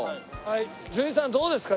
純次さんどうですか？